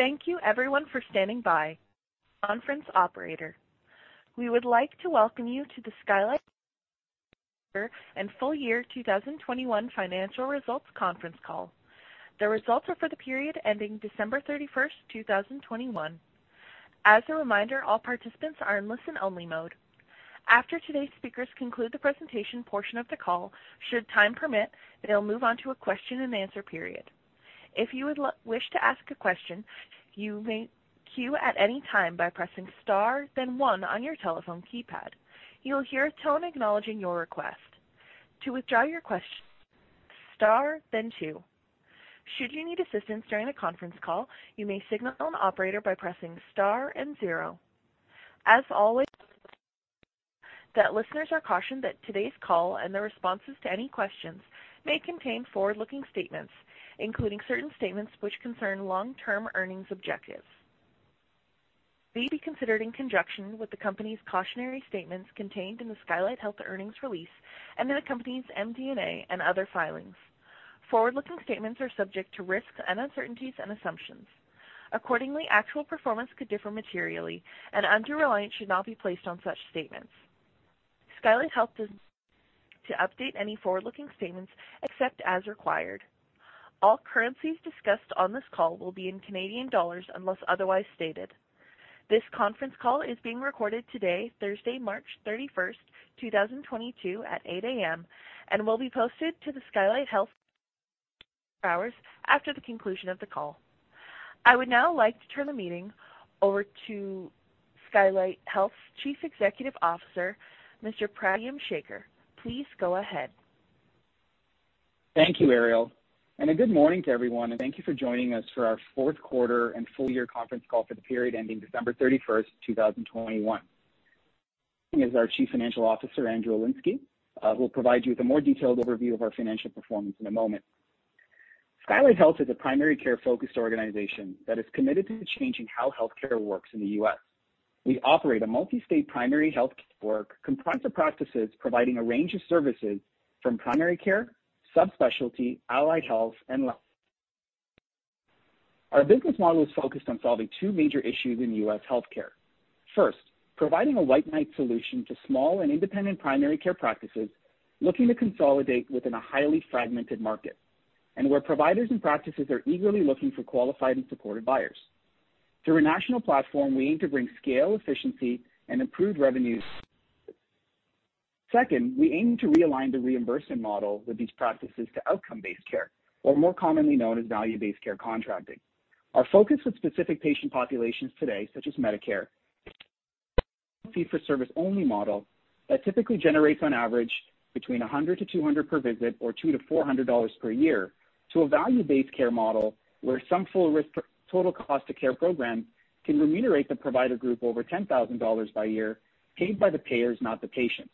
Thank you everyone for standing by. Conference operator, we would like to welcome you to the Skylight Health Q4 and Full Year 2021 Financial Results Conference Call. The results are for the period ending December 31st, 2021. As a reminder, all participants are in listen-only mode. After today's speakers conclude the presentation portion of the call, should time permit, they'll move on to a question and answer period. If you would wish to ask a question, you may queue at any time by pressing star then one on your telephone keypad. You'll hear a tone acknowledging your request. To withdraw your question, star then two. Should you need assistance during the conference call, you may signal an operator by pressing star and zero. As always, listeners are cautioned that today's call and the responses to any questions may contain forward-looking statements, including certain statements which concern long-term earnings objectives. These should be considered in conjunction with the company's cautionary statements contained in the Skylight Health earnings release and in the company's MD&A and other filings. Forward-looking statements are subject to risks and uncertainties and assumptions. Accordingly, actual performance could differ materially and undue reliance should not be placed on such statements. Skylight Health does not intend to update any forward-looking statements except as required. All currencies discussed on this call will be in Canadian dollars unless otherwise stated. This conference call is being recorded today, Thursday, March 31st, 2022, at 8:00 A.M., and will be posted to skylighthealthgroup.com a few hours after the conclusion of the call. I would now like to turn the meeting over to Skylight Health's Chief Executive Officer, Mr. Pradyum Sekar. Please go ahead. Thank you, Ariel, and a good morning to everyone, and thank you for joining us for our Q4 and full year conference call for the period ending December 31st, 2021. As our Chief Financial Officer, Andrew Elinesky, will provide you with a more detailed overview of our financial performance in a moment. Skylight Health is a primary care-focused organization that is committed to changing how healthcare works in the U.S. We operate a multi-state primary health network comprised of practices providing a range of services from primary care, subspecialty, allied health, and lab. Our business model is focused on solving two major issues in U.S. healthcare. First, providing a white knight solution to small and independent primary care practices looking to consolidate within a highly fragmented market, and where providers and practices are eagerly looking for qualified and supported buyers. Through a national platform, we aim to bring scale, efficiency, and improved revenues. Second, we aim to realign the reimbursement model with these practices to outcome-based care, or more commonly known as value-based care contracting. Our focus with specific patient populations today, such as Medicare fee-for-service only model that typically generates on average between 100-200 per visit or $200-$400 per year. To a value-based care model, where some full risk total cost of care program can remunerate the provider group over $10,000 per year, paid by the payers, not the patients.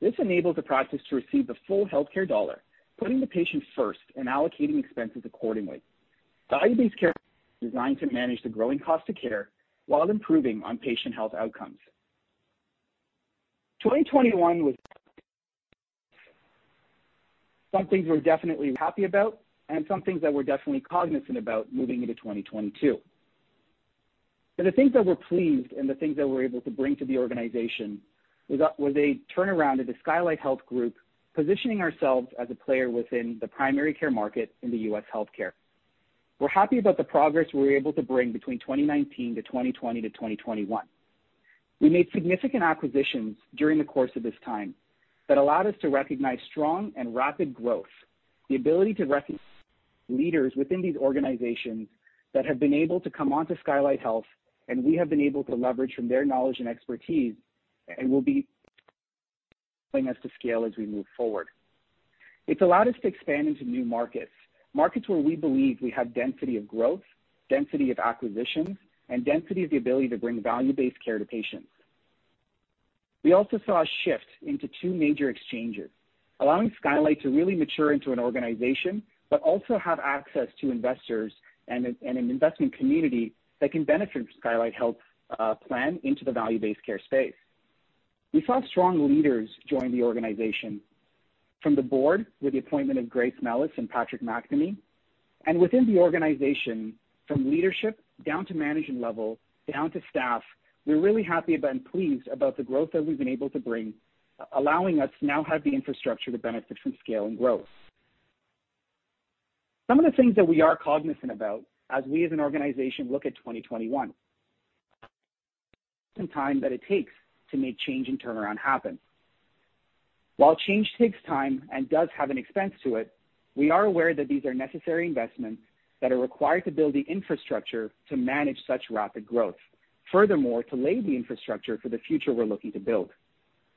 This enables the practice to receive the full healthcare dollar, putting the patient first and allocating expenses accordingly. Value-based care is designed to manage the growing cost of care while improving patient health outcomes. 2021 was... Some things we're definitely happy about and some things that we're definitely cognizant about moving into 2022. The things that we're pleased and the things that we're able to bring to the organization was a turnaround of the Skylight Health Group, positioning ourselves as a player within the primary care market in the U.S. healthcare. We're happy about the progress we were able to bring between 2019 to 2020 to 2021. We made significant acquisitions during the course of this time that allowed us to recognize strong and rapid growth, the ability to recruit leaders within these organizations that have been able to come onto Skylight Health, and we have been able to leverage from their knowledge and expertise and will be helping us to scale as we move forward. It's allowed us to expand into new markets where we believe we have density of growth, density of acquisitions, and density of the ability to bring value-based care to patients. We also saw a shift into two major exchanges, allowing Skylight to really mature into an organization, but also have access to investors and an investment community that can benefit from Skylight Health plan into the value-based care space. We saw strong leaders join the organization from the board with the appointment of Grace Mellis and Patrick McNamee. Within the organization, from leadership down to management level, down to staff, we're really happy about and pleased about the growth that we've been able to bring, allowing us to now have the infrastructure to benefit from scale and growth. Some of the things that we are cognizant about as we, as an organization look at 2021. Some time that it takes to make change and turnaround happen. While change takes time and does have an expense to it, we are aware that these are necessary investments that are required to build the infrastructure to manage such rapid growth. Furthermore, to lay the infrastructure for the future we're looking to build.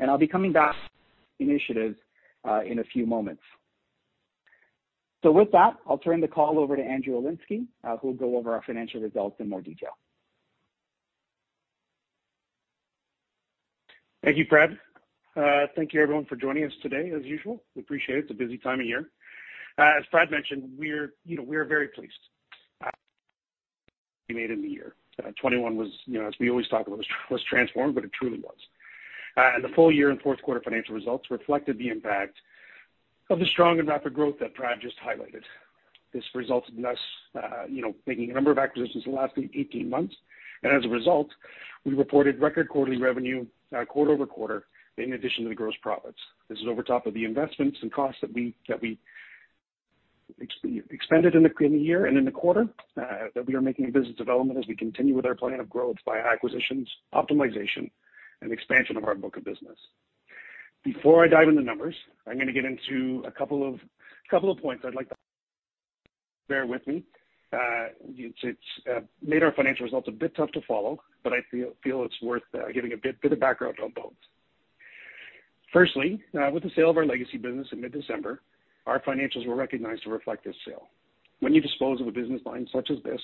I'll be coming back to initiatives in a few moments. With that, I'll turn the call over to Andrew Elinesky, who will go over our financial results in more detail. Thank you, Prad. Thank you everyone for joining us today. As usual, we appreciate it's a busy time of year. As Prad mentioned, we are very pleased The year 2021 was, you know, as we always talk about, transformed, but it truly was. The full year and Q4 financial results reflected the impact of the strong and rapid growth that Prad just highlighted. This resulted in us making a number of acquisitions in the last 18 months. As a result, we reported record quarterly revenue quarter-over-quarter, in addition to the gross profits. This is on top of the investments and costs that we expended in the year and in the quarter that we are making in business development as we continue with our plan of growth via acquisitions, optimization, and expansion of our book of business. Before I dive into numbers, I'm gonna get into a couple of points I'd like to bear with me. It's made our financial results a bit tough to follow, but I feel it's worth giving a bit of background on both. Firstly, with the sale of our legacy business in mid-December, our financials were recognized to reflect this sale. When you dispose of a business line such as this,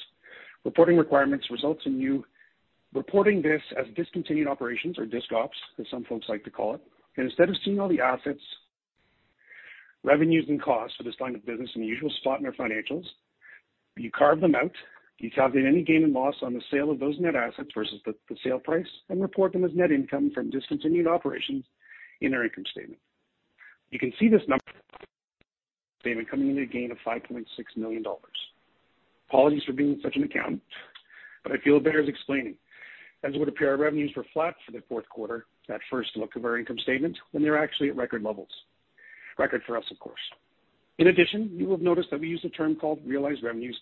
reporting requirements result in you reporting this as discontinued operations or disc ops, as some folks like to call it. Instead of seeing all the assets, revenues, and costs for this line of business in the usual spot in our financials, you carve them out, you calculate any gain and loss on the sale of those net assets versus the sale price, and report them as net income from discontinued operations in our income statement. You can see this number in the statement coming in a gain of $5.6 million. Apologies for being such an accountant, but I feel it bears explaining as it would appear our revenues were flat for the Q4 at first look of our income statement when they're actually at record levels. Record for us, of course. In addition, you will have noticed that we use a term called realized revenues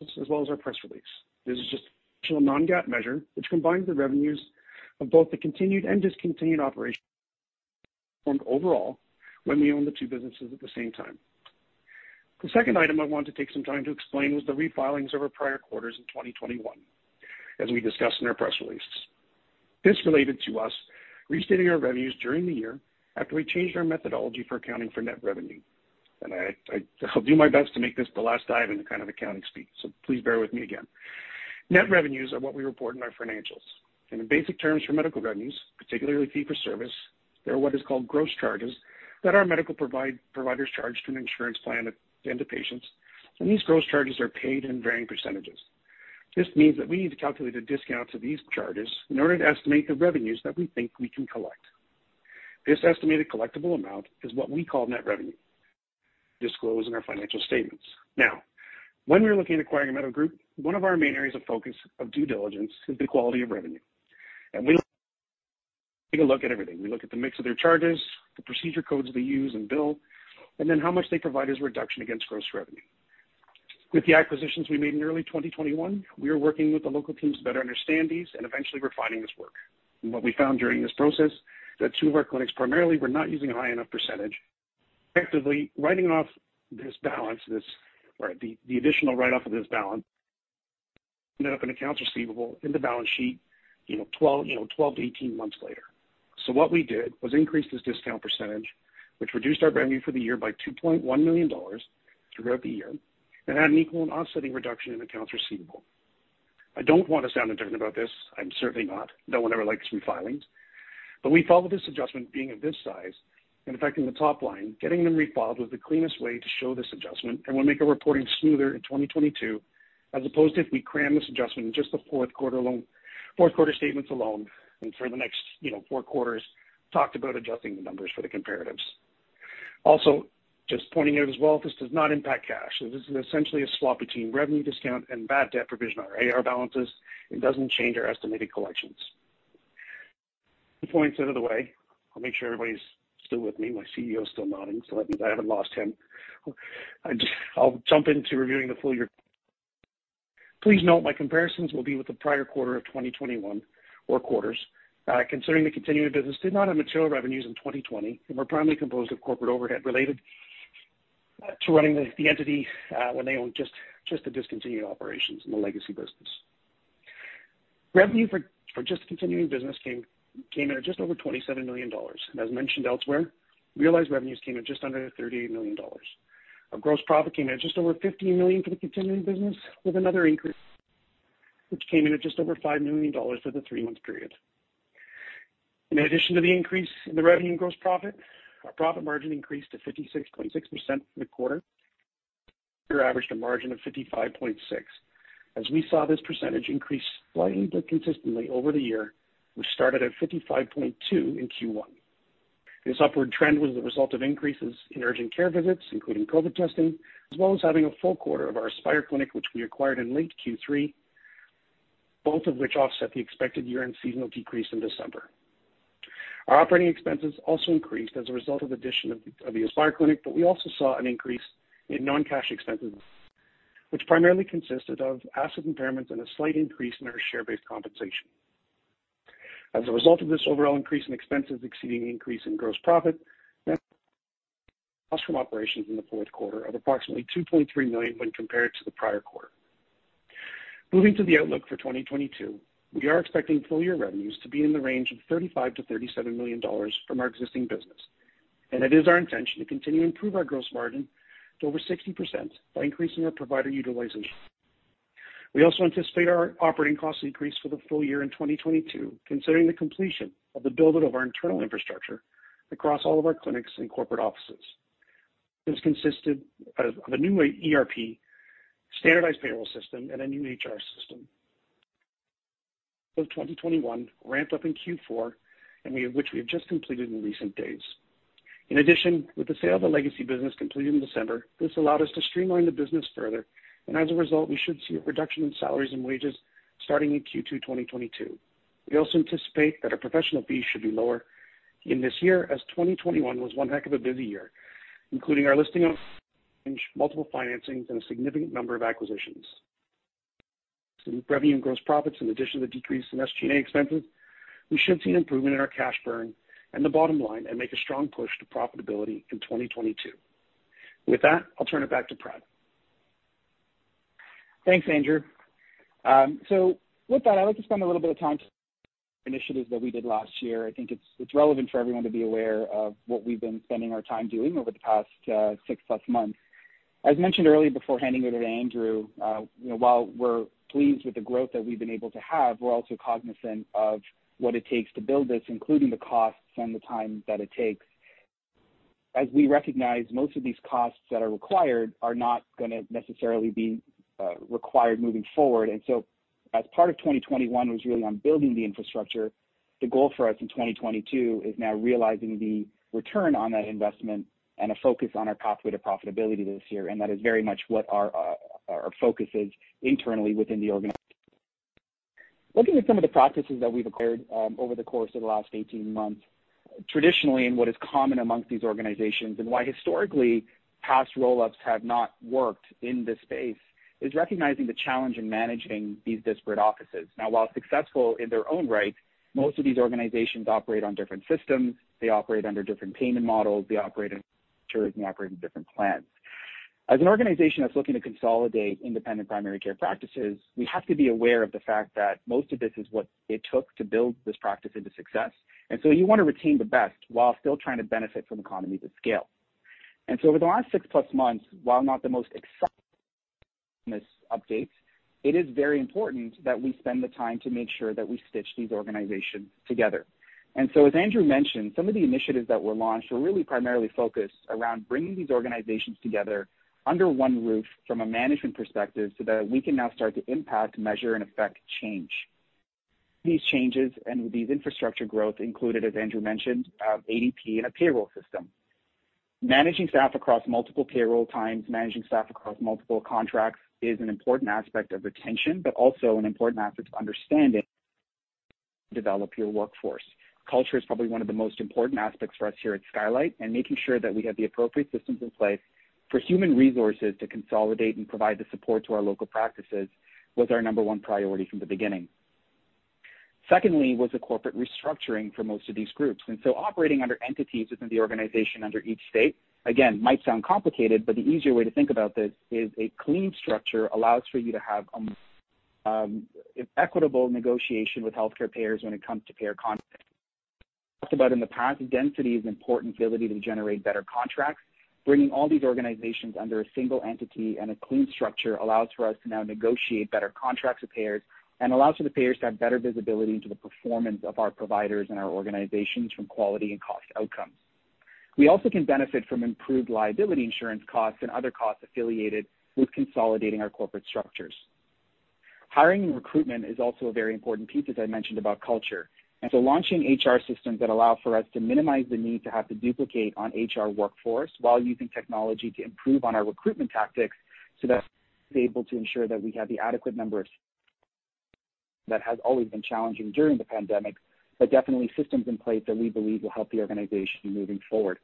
in our press release. This is just a non-GAAP measure, which combines the revenues of both the continuing and discontinued operations overall when we own the two businesses at the same time. The second item I want to take some time to explain was the refilings over prior quarters in 2021, as we discussed in our press release. This related to us restating our revenues during the year after we changed our methodology for accounting for net revenue. I'll do my best to make this the last dive into kind of accounting speak, so please bear with me again. Net revenues are what we report in our financials. In the basic terms for medical revenues, particularly fee-for-service, they are what is called gross charges that our medical providers charge to an insurance plan and to patients. These gross charges are paid in varying percentages. This means that we need to calculate a discount to these charges in order to estimate the revenues that we think we can collect. This estimated collectible amount is what we call net revenue disclosed in our financial statements. Now, when we're looking at acquiring a medical group, one of our main areas of focus of due diligence is the quality of revenue. We take a look at everything. We look at the mix of their charges, the procedure codes they use and bill, and then how much they provide as a reduction against gross revenue. With the acquisitions we made in early 2021, we are working with the local teams to better understand these and eventually refining this work. What we found during this process that 2 of our clinics primarily were not using a high enough percentage, effectively writing off this balance, the additional write-off of this balance ended up in accounts receivable in the balance sheet, you know, 12 to 18 months later. What we did was increase this discount percentage, which reduced our revenue for the year by $2.1 million throughout the year and had an equal and offsetting reduction in accounts receivable. I don't want to sound indifferent about this. I'm certainly not. No one ever likes refilings. We followed this adjustment being of this size and affecting the top line, getting them refiled was the cleanest way to show this adjustment and will make our reporting smoother in 2022, as opposed if we cram this adjustment in just the Q4 alone, Q4 statements alone and for the next, you know, Q4, talked about adjusting the numbers for the comparatives. Also, just pointing out as well, this does not impact cash. This is essentially a swap between revenue discount and bad debt provision on our AR balances. It doesn't change our estimated collections. Points out of the way. I'll make sure everybody's still with me. My CEO is still nodding, so that means I haven't lost him. I'll jump into reviewing the full year. Please note my comparisons will be with the prior quarter of 2021 or quarters, considering the continuing business did not have material revenues in 2020 and were primarily composed of corporate overhead related to running the entity when they owned just the discontinued operations in the legacy business. Revenue for just continuing business came in at just over $27 million. As mentioned elsewhere, realized revenues came in just under $38 million. Our gross profit came in at just over $50 million for the continuing business with another increase which came in at just over $5 million for the three-month period. In addition to the increase in the revenue and gross profit, our profit margin increased to 56.6% for the quarter. We averaged a margin of 55.6%. We saw this percentage increase slightly but consistently over the year. We started at 55.2% in Q1. This upward trend was the result of increases in urgent care visits, including COVID testing, as well as having a full quarter of our Aspire clinic, which we acquired in late Q3, both of which offset the expected year-end seasonal decrease in December. Our operating expenses also increased as a result of addition of the Aspire clinic, but we also saw an increase in non-cash expenses, which primarily consisted of asset impairments and a slight increase in our share-based compensation. As a result of this overall increase in expenses exceeding the increase in gross profit, net loss from operations in the Q4 of approximately $2.3 million when compared to the prior quarter. Moving to the outlook for 2022, we are expecting full-year revenues to be in the range of $35 million-$37 million from our existing business, and it is our intention to continue to improve our gross margin to over 60% by increasing our provider utilization. We also anticipate our operating costs increase for the full year in 2022, considering the completion of the build out of our internal infrastructure across all of our clinics and corporate offices. This consisted of a new ERP standardized payroll system and a new HR system which ramped up in Q4 of 2021, which we have just completed in recent days. In addition, with the sale of the legacy business completed in December, this allowed us to streamline the business further, and as a result, we should see a reduction in salaries and wages starting in Q2 2022. We also anticipate that our professional fees should be lower in this year as 2021 was one heck of a busy year, including our listing of multiple financings and a significant number of acquisitions. Some revenue and gross profits in addition to the decrease in SG&A expenses, we should see an improvement in our cash burn and the bottom line and make a strong push to profitability in 2022. With that, I'll turn it back to Prad. Thanks, Andrew. So with that, I'd like to spend a little bit of time on initiatives that we did last year. I think it's relevant for everyone to be aware of what we've been spending our time doing over the past six-plus months. As mentioned earlier before handing it to Andrew, you know, while we're pleased with the growth that we've been able to have, we're also cognizant of what it takes to build this including the costs and the time that it takes. As we recognize, most of these costs that are required are not gonna necessarily be required moving forward. As part of 2021 was really on building the infrastructure, the goal for us in 2022 is now realizing the return on that investment and a focus on our pathway to profitability this year. That is very much what our focus is internally within the organization. Looking at some of the practices that we've acquired over the course of the last 18 months, traditionally, and what is common among these organizations and why historically, past roll-ups have not worked in this space, is recognizing the challenge in managing these disparate offices. Now, while successful in their own right, most of these organizations operate on different systems. They operate under different payment models. They operate in different plans. As an organization that's looking to consolidate independent primary care practices, we have to be aware of the fact that most of this is what it took to build this practice into success. You wanna retain the best while still trying to benefit from economies of scale. Over the last six-plus months, while not the most exciting updates, it is very important that we spend the time to make sure that we stitch these organizations together. As Andrew mentioned, some of the initiatives that were launched were really primarily focused around bringing these organizations together under one roof from a management perspective, so that we can now start to impact, measure, and affect change. These changes and with these infrastructure growth included, as Andrew mentioned, ADP and a payroll system. Managing staff across multiple payroll types and multiple contracts is an important aspect of retention, but also an important aspect of understanding and developing your workforce. Culture is probably one of the most important aspects for us here at Skylight, and making sure that we have the appropriate systems in place for human resources to consolidate and provide the support to our local practices was our number one priority from the beginning. Secondly was a corporate restructuring for most of these groups. Operating under entities within the organization under each state, again, might sound complicated, but the easier way to think about this is a clean structure allows for you to have equitable negotiation with healthcare payers when it comes to payer contracts. We've talked about in the past, density is an important ability to generate better contracts. Bringing all these organizations under a single entity and a clean structure allows for us to now negotiate better contracts with payers and allows for the payers to have better visibility into the performance of our providers and our organizations from quality and cost outcomes. We also can benefit from improved liability insurance costs and other costs affiliated with consolidating our corporate structures. Hiring and recruitment is also a very important piece, as I mentioned, about culture. Launching HR systems that allow for us to minimize the need to have to duplicate on HR workforce while using technology to improve on our recruitment tactics so that we're able to ensure that we have the adequate numbers. That has always been challenging during the pandemic, but definitely systems in place that we believe will help the organization moving forward.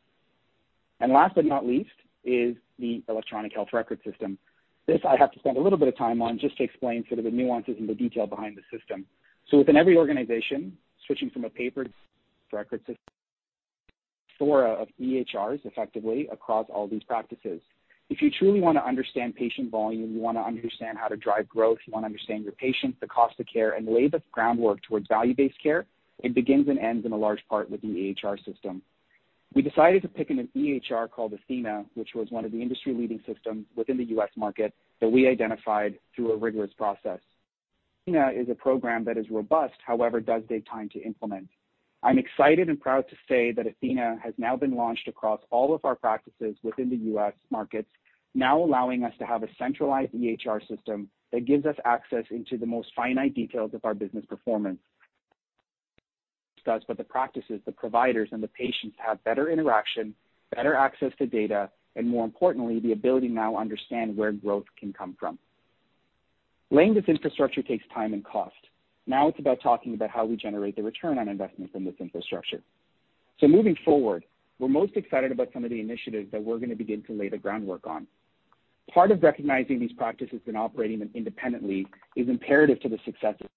Last but not least is the electronic health record system. This I have to spend a little bit of time on just to explain sort of the nuances and the detail behind the system. Within every organization, switching from a paper record system to EHRs effectively across all these practices. If you truly wanna understand patient volume, you wanna understand how to drive growth, you wanna understand your patients, the cost of care, and lay the groundwork towards value-based care, it begins and ends in a large part with the EHR system. We decided to pick an EHR called Athena, which was one of the industry-leading systems within the U.S. market that we identified through a rigorous process. Athena is a program that is robust, however, does take time to implement. I'm excited and proud to say that Athena has now been launched across all of our practices within the U.S. markets, now allowing us to have a centralized EHR system that gives us access into the most finest details of our business performance. It does, but the practices, the providers and the patients have better interaction, better access to data, and more importantly, the ability to now understand where growth can come from. Laying this infrastructure takes time and cost. Now it's about talking about how we generate the return on investment from this infrastructure. Moving forward, we're most excited about some of the initiatives that we're gonna begin to lay the groundwork on. Part of recognizing these practices and operating them independently is imperative to the success. We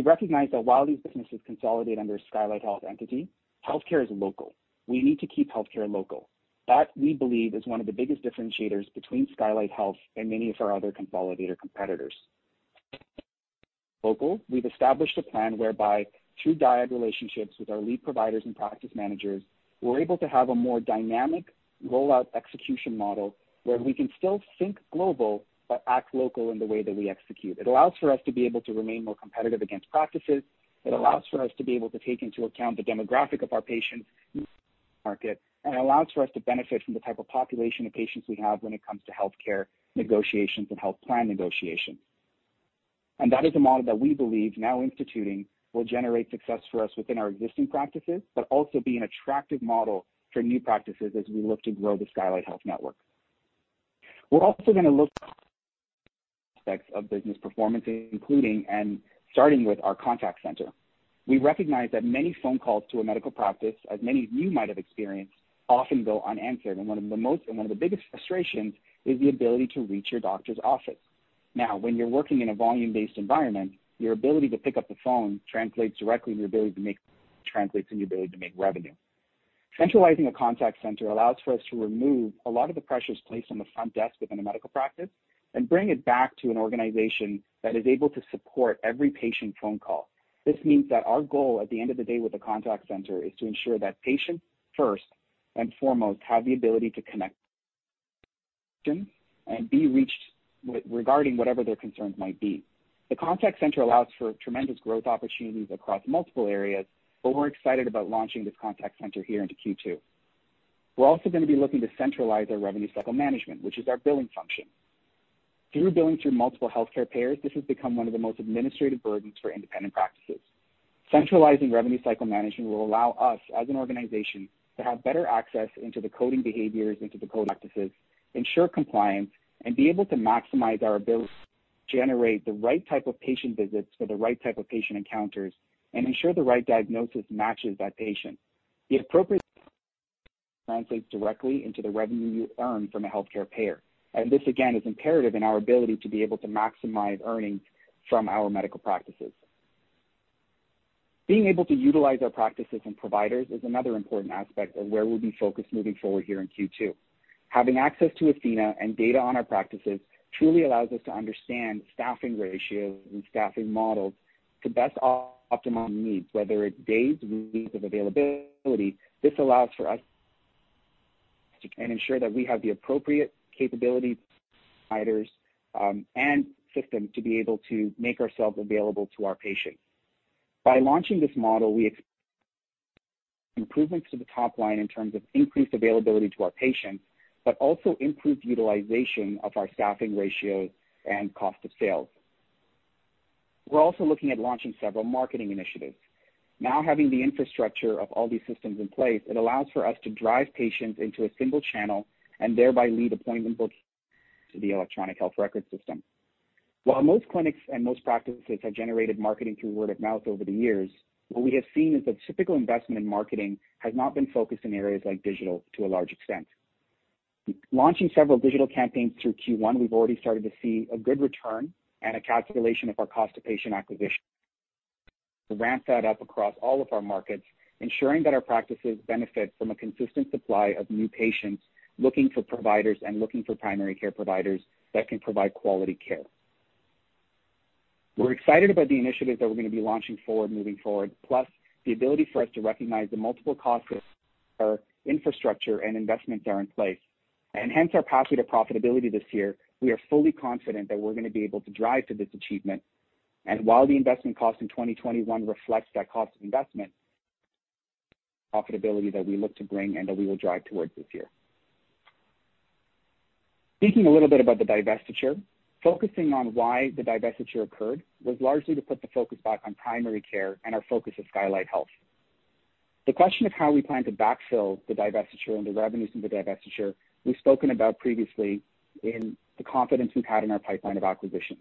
recognize that while these businesses consolidate under Skylight Health entity, healthcare is local. We need to keep healthcare local. That, we believe, is one of the biggest differentiators between Skylight Health and many of our other consolidator competitors. Locally, we've established a plan whereby through dyad relationships with our lead providers and practice managers, we're able to have a more dynamic rollout execution model where we can still think global but act local in the way that we execute. It allows for us to be able to remain more competitive against practices. It allows for us to be able to take into account the demographic of our patients, market and allows for us to benefit from the type of population of patients we have when it comes to healthcare negotiations and health plan negotiations. That is a model that we believe now instituting will generate success for us within our existing practices, but also be an attractive model for new practices as we look to grow the Skylight Health Network. We're also gonna look at aspects of business performance, including and starting with our contact center. We recognize that many phone calls to a medical practice, as many of you might have experienced, often go unanswered. One of the biggest frustrations is the ability to reach your doctor's office. Now, when you're working in a volume-based environment, your ability to pick up the phone translates directly in your ability to make revenue. Centralizing a contact center allows for us to remove a lot of the pressures placed on the front desk within a medical practice and bring it back to an organization that is able to support every patient phone call. This means that our goal at the end of the day with the contact center is to ensure that patients, first and foremost, have the ability to connect and be reached regarding whatever their concerns might be. The contact center allows for tremendous growth opportunities across multiple areas, but we're excited about launching this contact center here into Q2. We're also gonna be looking to centralize our revenue cycle management, which is our billing function. Through billing through multiple healthcare payers, this has become one of the most administrative burdens for independent practices. Centralizing revenue cycle management will allow us as an organization to have better access into the coding behaviors, into the code practices, ensure compliance, and be able to maximize our ability to generate the right type of patient visits for the right type of patient encounters and ensure the right diagnosis matches that patient. The appropriate translates directly into the revenue you earn from a healthcare payer. This, again, is imperative in our ability to be able to maximize earnings from our medical practices. Being able to utilize our practices and providers is another important aspect of where we'll be focused moving forward here in Q2. Having access to Athena and data on our practices truly allows us to understand staffing ratios and staffing models to best optimum needs, whether it's days, weeks of availability. This allows us to ensure that we have the appropriate capabilities, providers, and system to be able to make ourselves available to our patients. By launching this model, we see improvements to the top line in terms of increased availability to our patients, but also improved utilization of our staffing ratios and cost of sales. We're also looking at launching several marketing initiatives. Now having the infrastructure of all these systems in place, it allows us to drive patients into a single channel and thereby lead appointment booking to the electronic health record system. While most clinics and most practices have generated marketing through word of mouth over the years, what we have seen is that typical investment in marketing has not been focused in areas like digital to a large extent. Launching several digital campaigns through Q1, we've already started to see a good return and a calculation of our cost to patient acquisition. To ramp that up across all of our markets, ensuring that our practices benefit from a consistent supply of new patients looking for providers and looking for primary care providers that can provide quality care. We're excited about the initiatives that we're gonna be launching forward moving forward, plus the ability for us to recognize the multiple costs of infrastructure and investments that are in place and hence our path to profitability this year. We are fully confident that we're gonna be able to drive to this achievement. While the investment cost in 2021 reflects that cost of investment, profitability that we look to bring and that we will drive towards this year. Speaking a little bit about the divestiture. Focusing on why the divestiture occurred was largely to put the focus back on primary care and our focus at Skylight Health. The question of how we plan to backfill the divestiture and the revenues from the divestiture we've spoken about previously with the confidence we've had in our pipeline of acquisitions.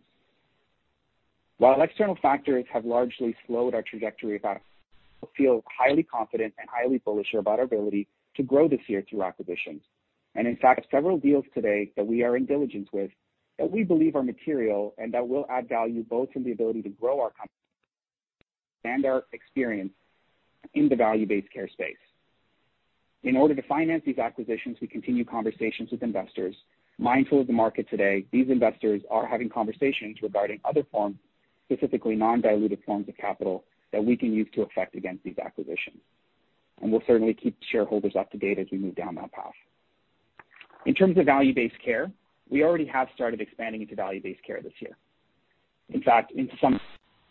While external factors have largely slowed our trajectory, we feel highly confident and highly bullish about our ability to grow this year through acquisitions. In fact, several deals to date that we are in diligence with that we believe are material and that will add value both in the ability to grow our company and our experience in the value-based care space. In order to finance these acquisitions, we continue conversations with investors. Mindful of the market today, these investors are having conversations regarding other forms, specifically non-dilutive forms of capital that we can use to effect against these acquisitions. We'll certainly keep shareholders up to date as we move down that path. In terms of value-based care, we already have started expanding into value-based care this year. In fact, in some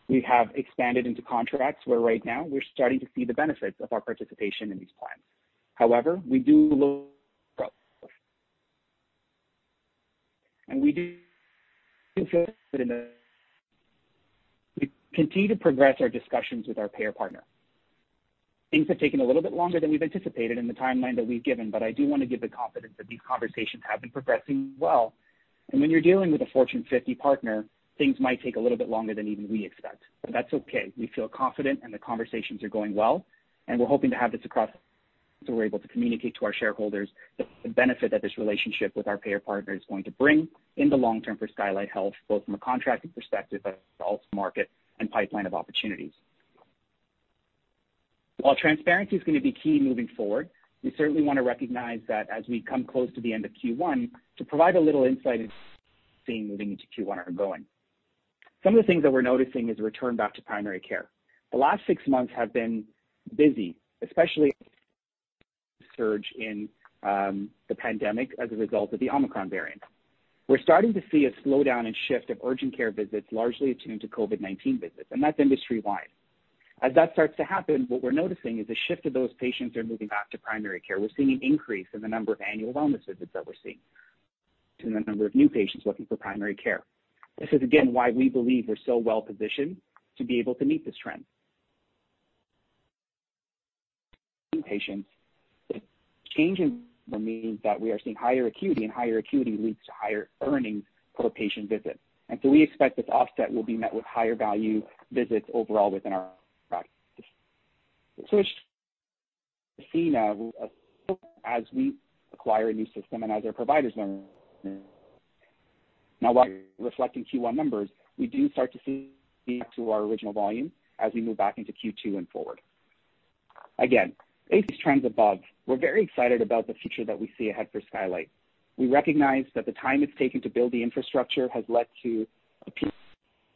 we have expanded into contracts where right now we're starting to see the benefits of our participation in these plans. However, we do look and we do continue to progress our discussions with our payer partner. Things have taken a little bit longer than we've anticipated in the timeline that we've given, but I do wanna give the confidence that these conversations have been progressing well. When you're dealing with a Fortune 50 partner, things might take a little bit longer than even we expect. That's okay. We feel confident and the conversations are going well, and we're hoping to have this across so we're able to communicate to our shareholders the benefit that this relationship with our payer partner is going to bring in the long term for Skylight Health, both from a contracting perspective, but also market and pipeline of opportunities. While transparency is gonna be key moving forward, we certainly wanna recognize that as we come close to the end of Q1 to provide a little insight into seeing moving into Q1 ongoing. Some of the things that we're noticing is a return back to primary care. The last six months have been busy, especially surge in the pandemic as a result of the Omicron variant. We're starting to see a slowdown in shift of urgent care visits, largely attributed to COVID-19 visits, and that's industry-wide. As that starts to happen, what we're noticing is a shift as those patients are moving back to primary care. We're seeing an increase in the number of annual wellness visits that we're seeing and the number of new patients looking for primary care. This is, again, why we believe we're so well-positioned to be able to meet this trend. Patients, that change means that we are seeing higher acuity, and higher acuity leads to higher earnings per patient visit. We expect this offset will be met with higher value visits overall within our practices. We're seeing now as we acquire a new system and as our providers learn. Now, while reflecting Q1 numbers, we do start to see a return to our original volume as we move back into Q2 and forward. Again, these trends above, we're very excited about the future that we see ahead for Skylight. We recognize that the time it's taken to build the infrastructure has led to a peak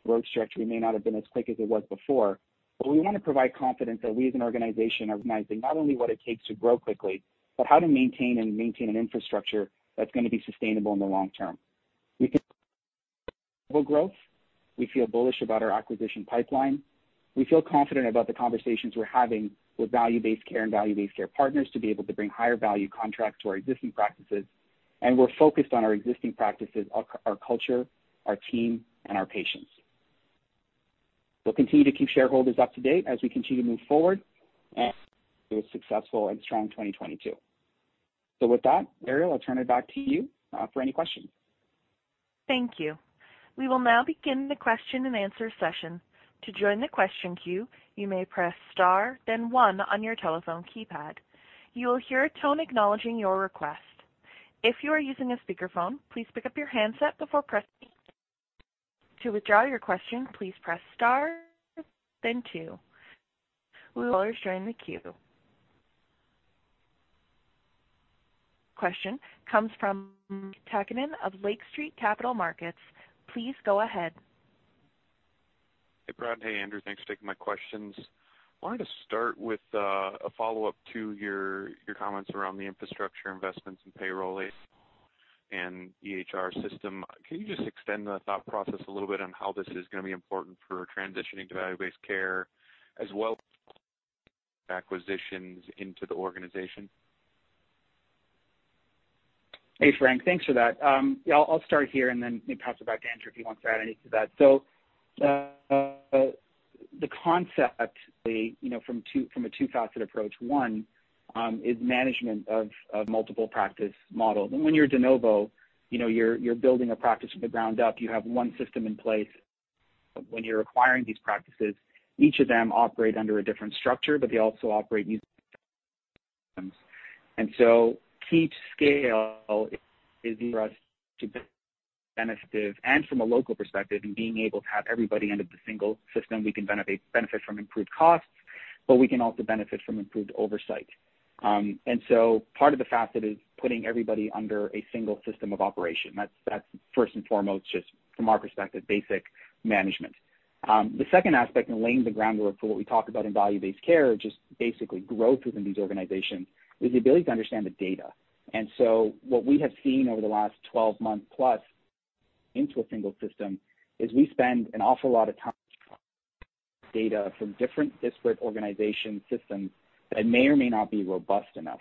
growth trajectory may not have been as quick as it was before, but we want to provide confidence that we as an organization are recognizing not only what it takes to grow quickly, but how to maintain an infrastructure that's gonna be sustainable in the long term. We feel bullish about our acquisition pipeline. We feel confident about the conversations we're having with value-based care partners to be able to bring higher value contracts to our existing practices. We're focused on our existing practices, our culture, our team, and our patients. We'll continue to keep shareholders up to date as we continue to move forward and with successful and strong 2022. With that, Ariel, I'll turn it back to you for any questions. Thank you. We will now begin the question-and-answer session. To join the question queue, you may press star then one on your telephone keypad. You will hear a tone acknowledging your request. If you are using a speakerphone, please pick up your handset before pressing. To withdraw your question, please press star then two. We will join the queue. Question comes from Takkinen of Lake Street Capital Markets. Please go ahead. Hey, Prad. Hey, Andrew. Thanks for taking my questions. I wanted to start with a follow-up to your comments around the infrastructure investments and payroll and EHR system. Can you just extend the thought process a little bit on how this is gonna be important for transitioning to value-based care as well as acquisitions into the organization? Hey, Frank. Thanks for that. I'll start here and then maybe pass it back to Andrew if he wants to add anything to that. The concept, you know, from a two-facet approach, one is management of multiple practice models. When you're de novo, you know, you're building a practice from the ground up. You have one system in place. When you're acquiring these practices, each of them operate under a different structure, but they also operate using to reach scale is for us to benefit. From a local perspective, in being able to have everybody under the single system, we can benefit from improved costs, but we can also benefit from improved oversight. Part of the facet is putting everybody under a single system of operation. That's first and foremost just from our perspective, basic management. The second aspect in laying the groundwork for what we talk about in value-based care, just basically growth within these organizations, is the ability to understand the data. What we have seen over the last 12 months plus into a single system is we spend an awful lot of time data from different disparate organization systems that may or may not be robust enough.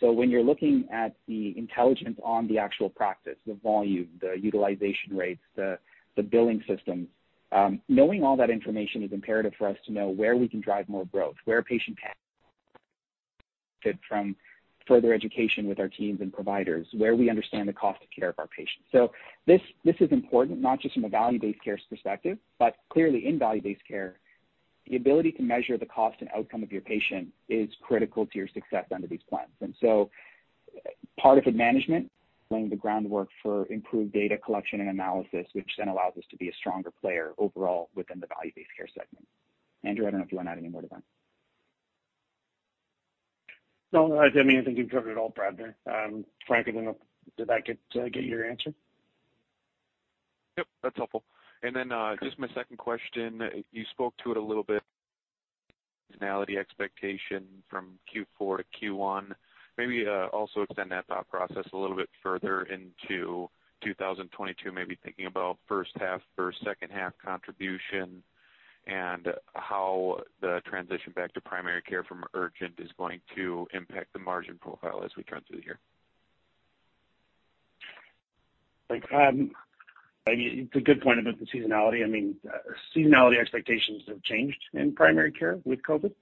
When you're looking at the intelligence on the actual practice, the volume, the utilization rates, the billing systems, knowing all that information is imperative for us to know where we can drive more growth, where patient path from further education with our teams and providers, where we understand the cost of care of our patients. This is important not just from a value-based care perspective, but clearly in value-based care, the ability to measure the cost and outcome of your patient is critical to your success under these plans. Part of IT management, laying the groundwork for improved data collection and analysis, which then allows us to be a stronger player overall within the value-based care segment. Andrew, I don't know if you wanna add any more to that. No, I don't think you've covered it all, Prad. Frank, I don't know, did that get your answer? Yep, that's helpful. Just my second question. You spoke to it a little bit, seasonality expectation from Q4 to Q1. Maybe also extend that thought process a little bit further into 2022, maybe thinking about first half versus second half contribution and how the transition back to primary care from urgent is going to impact the margin profile as we come through here. It's a good point about the seasonality. I mean, seasonality expectations have changed in primary care with COVID.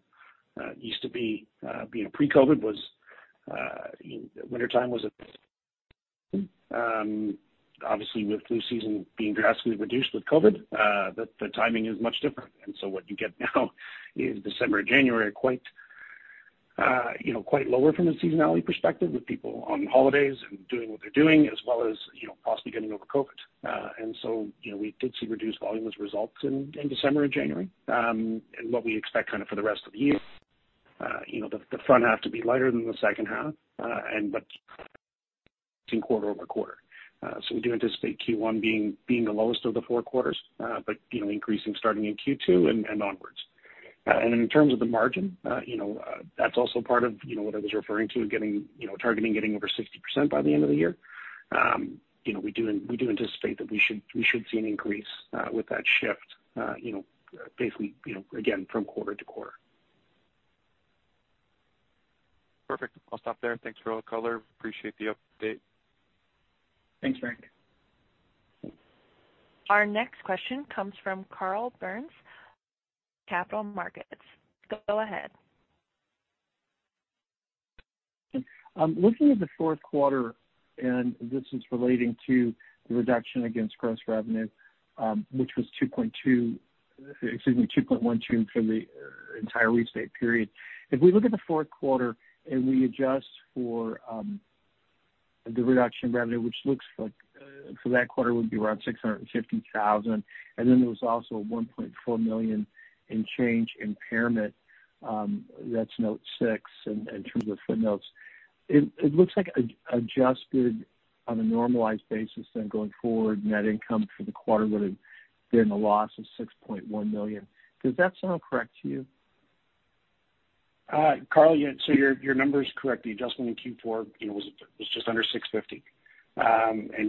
Used to be, you know, pre-COVID, wintertime was obviously with flu season being drastically reduced with COVID, the timing is much different. What you get now is December, January, quite, you know, quite lower from a seasonality perspective with people on holidays and doing what they're doing as well as, you know, possibly getting over COVID. We did see reduced volume as a result in December and January, and what we expect kind of for the rest of the year, you know, the front half to be lighter than the second half, but quarter-over-quarter. We do anticipate Q1 being the lowest of the Q4, but you know, increasing starting in Q2 and onwards. In terms of the margin, you know, that's also part of what I was referring to, getting, you know, targeting getting over 60% by the end of the year. You know, we do anticipate that we should see an increase with that shift, you know, basically, you know, again, from quarter to quarter. Perfect. I'll stop there and thanks for all the color. Appreciate the update. Thanks, Frank. Our next question comes from Carl Byrnes, Capital Markets. Go ahead. Looking at the Q4, this is relating to the reduction against gross revenue, which was 2.12% for the entire restate period. If we look at the Q4 and we adjust for the reduction in revenue, which looks like for that quarter would be around 650,000, and then there was also 1.4 million in change impairment, that's note six in terms of footnotes. It looks like adjusted on a normalized basis then going forward, net income for the quarter would have been a loss of 6.1 million. Does that sound correct to you? Carl, yeah, so your number is correct. The adjustment in Q4, you know, was just under $650.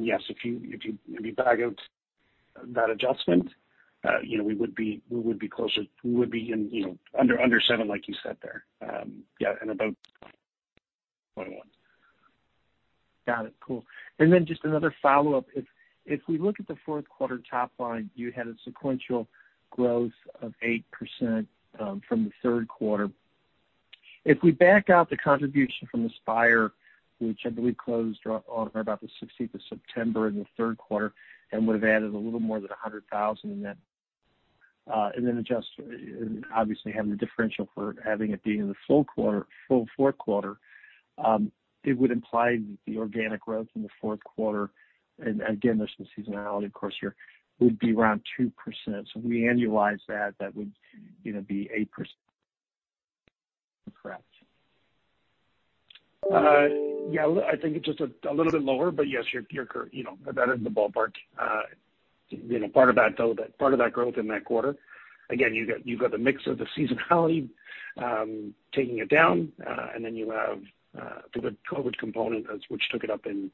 Yes, if you back out that adjustment, you know, we would be in, you know, under $7 like you said there. Yeah, about 0.1. Got it. Cool. Just another follow-up. If we look at the Q4 top line, you had a sequential growth of 8% from the Q3. If we back out the contribution from the Aspire, which I believe closed on or about the September 16th in the Q3 and would have added a little more than $100,000 in that, and then adjust and obviously having the differential for having it be in the full quarter, full Q4, it would imply the organic growth in the Q4, and again, there's some seasonality, of course, here, would be around 2%. If we annualize that would be 8%, correct? Yeah. Look, I think it's just a little bit lower. But yes, you're correct, you know, that is the ballpark. You know, part of that, though, that part of that growth in that quarter, again, you've got the mix of the seasonality taking it down, and then you have the COVID component which took it up in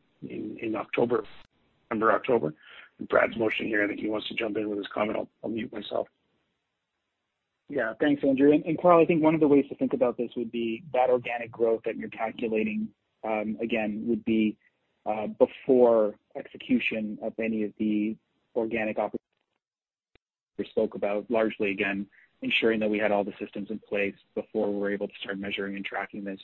October, November, October. Prad's motion here, I think he wants to jump in with his comment. I'll mute myself. Yeah. Thanks, Andrew. Carl, I think one of the ways to think about this would be that organic growth that you're calculating, again, would be before execution of any of the organic opportunities we spoke about largely, again, ensuring that we had all the systems in place before we were able to start measuring and tracking this.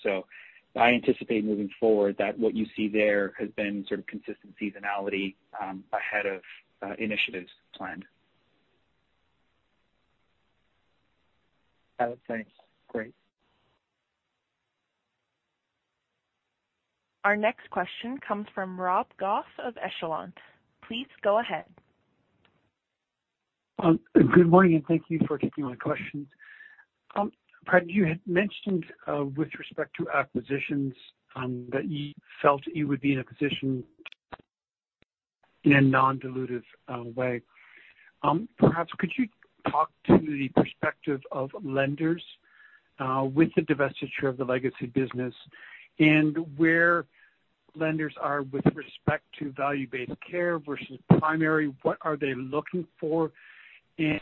I anticipate moving forward that what you see there has been sort of consistent seasonality ahead of initiatives planned. Got it. Thanks. Great. Our next question comes from Rob Goff of Echelon. Please go ahead. Good morning, and thank you for taking my questions. Prad, you had mentioned with respect to acquisitions that you felt you would be in a position in a non-dilutive way. Perhaps could you talk to the perspective of lenders with the divestiture of the Legacy business and where lenders are with respect to value-based care versus primary? What are they looking for in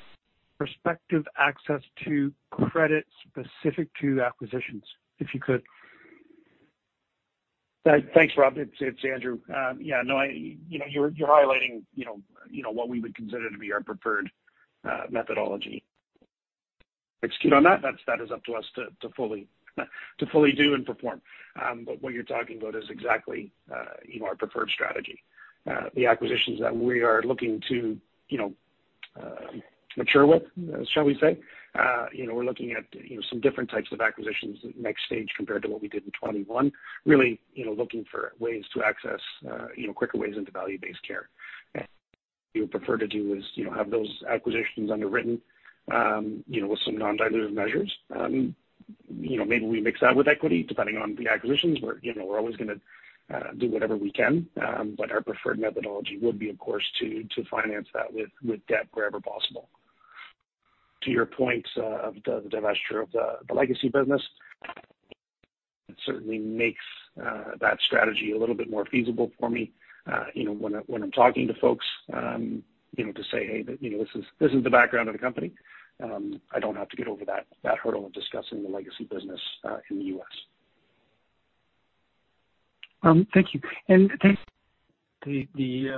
prospective access to credit specific to acquisitions, if you could? Thanks, Rob. It's Andrew. Yeah, no, you know, you're highlighting, you know, what we would consider to be our preferred methodology to execute on that. That is up to us to fully do and perform. What you're talking about is exactly our preferred strategy. The acquisitions that we are looking to, you know, mature with, shall we say, you know, we're looking at, you know, some different types of acquisitions next stage compared to what we did in 2021. Really, you know, looking for ways to access, you know, quicker ways into value-based care. What we would prefer to do is, you know, have those acquisitions underwritten, you know, with some non-dilutive measures. You know, maybe we mix that with equity depending on the acquisitions. We're, you know, we're always gonna do whatever we can. Our preferred methodology would be, of course, to finance that with debt wherever possible. To your point, of the divestiture of the Legacy business, it certainly makes that strategy a little bit more feasible for me. You know, when I'm talking to folks, you know, to say, "Hey, you know, this is the background of the company," I don't have to get over that hurdle of discussing the Legacy business in the U.S. Thank you. The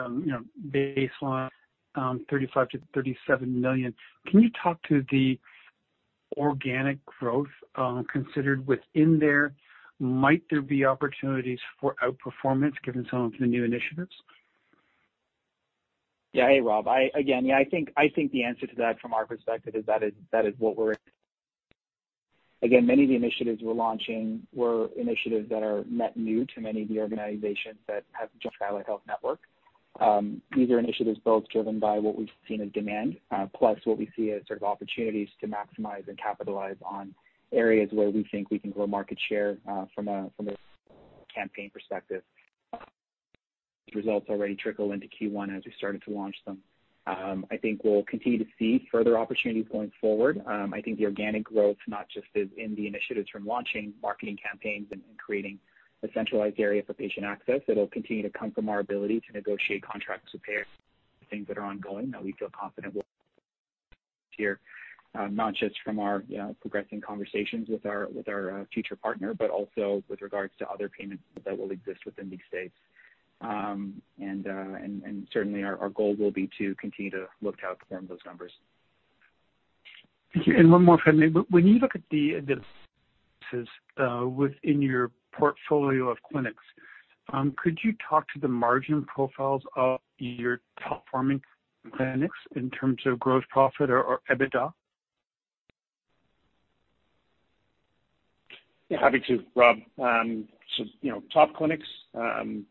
baseline, you know, 35 million-37 million, can you talk to the organic growth considered within there? Might there be opportunities for outperformance given some of the new initiatives? Yeah. Hey, Rob. I think the answer to that from our perspective is that is what we're doing. Again, many of the initiatives we're launching were initiatives that are net new to many of the organizations that have joined Skylight Health Network. These are initiatives both driven by what we've seen as demand, plus what we see as sort of opportunities to maximize and capitalize on areas where we think we can grow market share, from a campaign perspective. Those results already trickle into Q1 as we started to launch them. I think we'll continue to see further opportunities going forward. I think the organic growth not just is in the initiatives from launching marketing campaigns and creating a centralized area for patient access. It'll continue to come from our ability to negotiate contracts with payers, things that are ongoing that we feel confident we'll hear, not just from our, you know, progressing conversations with our future partner, but also with regards to other payments that will exist within these states. Certainly our goal will be to continue to look to outperform those numbers. Thank you. One more for me. When you look at the within your portfolio of clinics, could you talk to the margin profiles of your top performing clinics in terms of gross profit or EBITDA? Yeah, happy to, Rob. So, you know, top clinics, you know,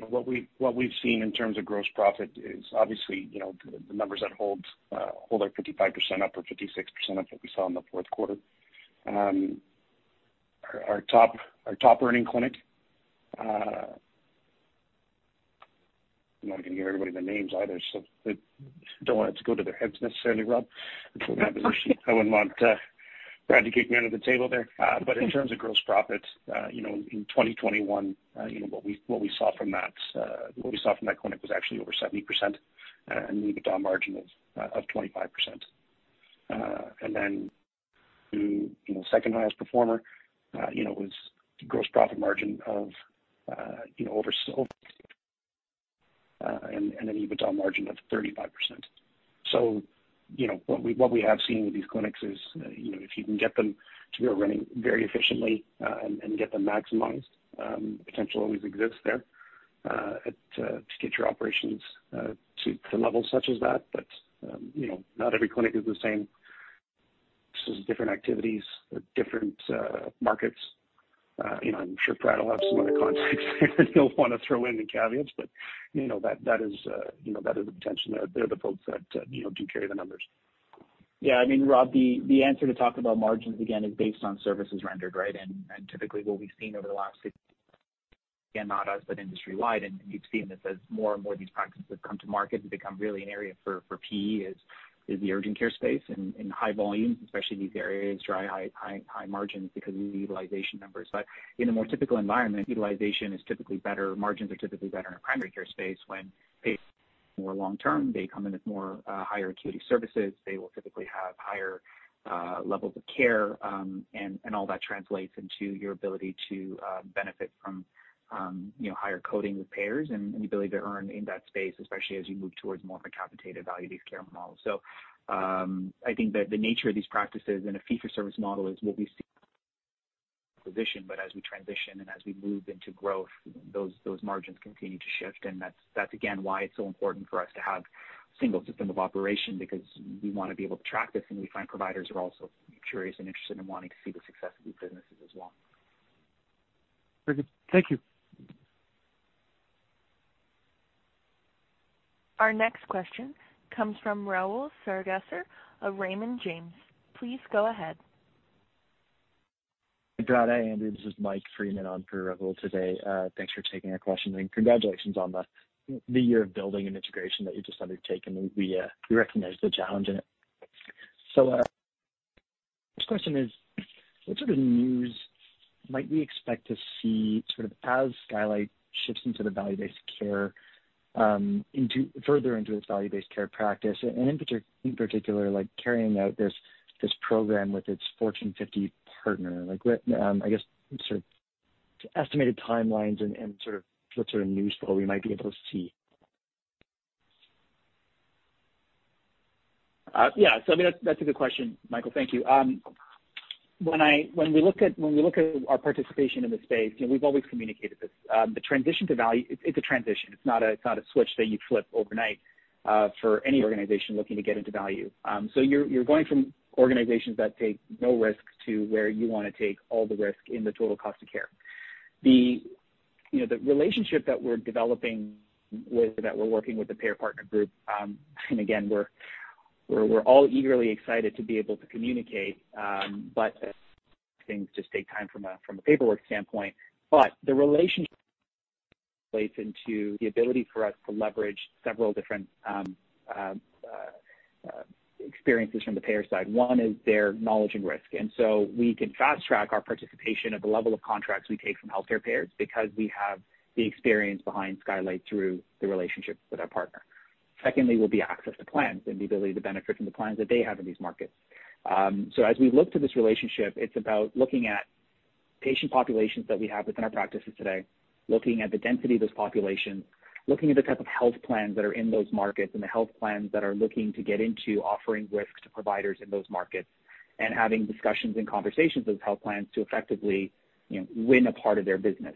what we've seen in terms of gross profit is obviously, you know, the numbers that hold at 55% up or 56% up that we saw in the Q4. Our top earning clinic. I'm not gonna give everybody the names either, so don't want it to go to their heads necessarily, Rob. From that position, I wouldn't want Prad to kick me under the table there. In terms of gross profit, you know, in 2021, you know, what we saw from that clinic was actually over 70%, and an EBITDA margin of 25%. The second highest performer was gross profit margin of over and an EBITDA margin of 35%. You know, what we have seen with these clinics is, you know, if you can get them to be running very efficiently and get them maximized, potential always exists there to get your operations to levels such as that. You know, not every clinic is the same. This is different activities, different markets. You know, I'm sure Prad will have some other context he'll wanna throw in and caveats, but you know, that is the potential. They're the folks that do carry the numbers. Yeah. I mean, Rob, the answer to talk about margins again is based on services rendered, right? Typically what we've seen over the last six, again, not us, but industry wide, and you've seen this as more and more of these practices have come to market to become really an area for PE is the urgent care space and high volumes, especially these areas drive high margins because of the utilization numbers. In a more typical environment, utilization is typically better, margins are typically better in a primary care space when patients more long-term, they come in with more higher acuity services. They will typically have higher levels of care, and all that translates into your ability to benefit from, you know, higher coding with payers and the ability to earn in that space, especially as you move towards more of a capitated value-based care model. I think that the nature of these practices in a fee-for-service model is what we see position. As we transition and as we move into growth, those margins continue to shift. That's again why it's so important for us to have a single system of operation because we wanna be able to track this, and we find providers are also curious and interested in wanting to see the success of these businesses as well. Very good. Thank you. Our next question comes from Rahul Sarugaser of Raymond James. Please go ahead. Hi, Prad, hey, Andrew. This is Mike Freeman on for Rahul today. Thanks for taking our questions, and congratulations on the year of building and integration that you just undertaken. We recognize the challenge in it. First question is, what sort of news might we expect to see sort of as Skylight shifts into the value-based care, further into its value-based care practice and in particular, like carrying out this program with its Fortune 50 partner. Like what sort of estimated timelines and sort of what sort of news flow we might be able to see. Yeah. I mean, that's a good question, Michael. Thank you. When we look at our participation in the space, you know, we've always communicated this. The transition to value, it's a transition. It's not a switch that you flip overnight for any organization looking to get into value. You're going from organizations that take no risk to where you wanna take all the risk in the total cost of care. You know, the relationship that we're working with the payer partner group, and again, we're all eagerly excited to be able to communicate, but things just take time from a paperwork standpoint. The relationship plays into the ability for us to leverage several different experiences from the payer side. One is their knowledge and risk, and so we can fast-track our participation of the level of contracts we take from healthcare payers because we have the experience behind Skylight through the relationships with our partner. Secondly, will be access to plans and the ability to benefit from the plans that they have in these markets. As we look to this relationship, it's about looking at patient populations that we have within our practices today, looking at the density of those populations, looking at the type of health plans that are in those markets and the health plans that are looking to get into offering risk to providers in those markets, and having discussions and conversations with health plans to effectively, you know, win a part of their business.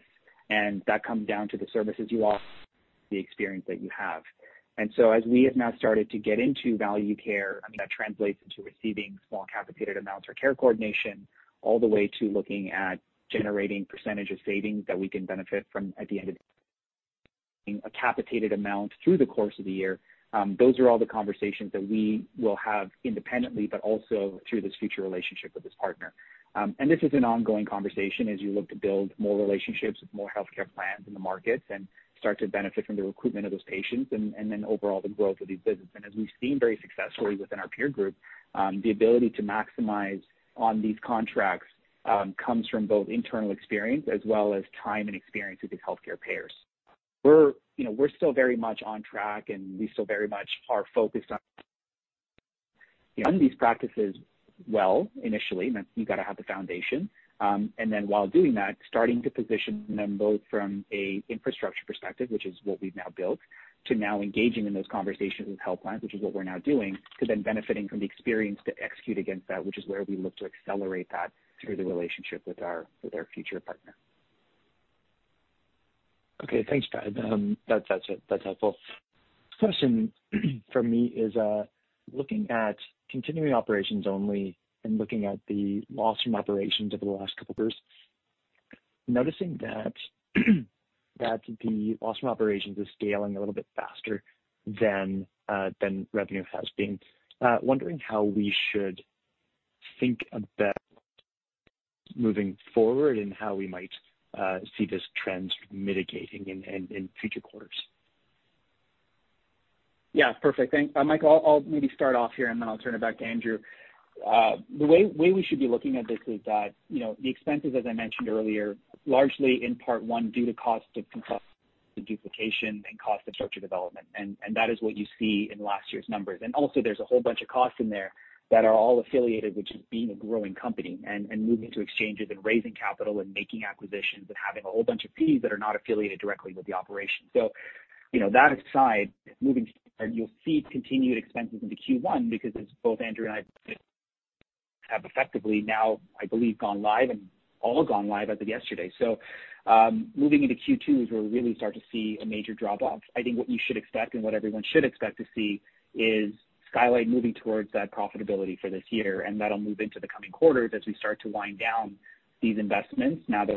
That comes down to the services you offer, the experience that you have. As we have now started to get into value care, I mean, that translates into receiving small capitated amounts or care coordination, all the way to looking at generating percentage of savings that we can benefit from at the end of a capitated amount through the course of the year. Those are all the conversations that we will have independently, but also through this future relationship with this partner. This is an ongoing conversation as you look to build more relationships with more healthcare plans in the markets and start to benefit from the recruitment of those patients and then overall the growth of these business. As we've seen very successfully within our peer group, the ability to maximize on these contracts comes from both internal experience as well as time and experience with these healthcare payers. You know, we're still very much on track, and we still very much are focused on these practices well initially. That you gotta have the foundation. While doing that, starting to position them both from an infrastructure perspective, which is what we've now built, to now engaging in those conversations with health plans, which is what we're now doing, to then benefiting from the experience to execute against that, which is where we look to accelerate that through the relationship with our future partner. Okay, thanks, Prad. That’s helpful. Question for me is, looking at continuing operations only and looking at the loss from operations over the last couple of years, noticing that the loss from operations is scaling a little bit faster than revenue has been. Wondering how we should think about moving forward and how we might see this trend sort of mitigating in future quarters. Yeah, perfect. Michael, I'll maybe start off here, and then I'll turn it back to Andrew. The way we should be looking at this is that, you know, the expenses, as I mentioned earlier, largely in part due to cost of duplication and cost of structure development. That is what you see in last year's numbers. Also there's a whole bunch of costs in there that are all unaffiliated, which is being a growing company and moving to exchanges and raising capital and making acquisitions and having a whole bunch of fees that are not affiliated directly with the operation. You know, that aside, moving forward, you'll see continued expenses into Q1 because as both Andrew and I have effectively now, I believe, gone live as of yesterday. Moving into Q2 is where we really start to see a major drop off. I think what you should expect and what everyone should expect to see is Skylight moving towards that profitability for this year, and that'll move into the coming quarters as we start to wind down these investments now that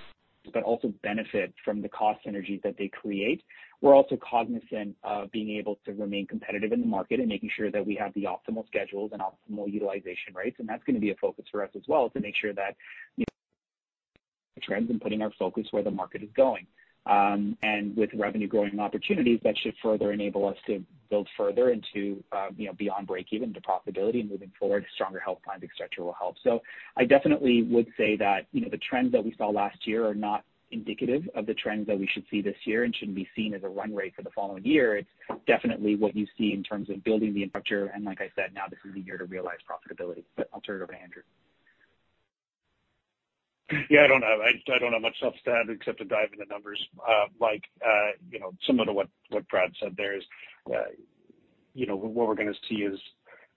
but also benefit from the cost synergies that they create. We're also cognizant of being able to remain competitive in the market and making sure that we have the optimal schedules and optimal utilization rates, and that's gonna be a focus for us as well, to make sure that, you know, trends and putting our focus where the market is going. With revenue growing opportunities, that should further enable us to build further into, you know, beyond break even to profitability and moving forward, stronger health plans, et cetera, will help. I definitely would say that, you know, the trends that we saw last year are not indicative of the trends that we should see this year and shouldn't be seen as a run rate for the following year. It's definitely what you see in terms of building the infrastructure and like I said, now this is the year to realize profitability. I'll turn it over to Andrew. Yeah, I don't have much else to add except to dive into numbers. Like, you know, similar to what Prad said, there is, you know, what we're gonna see is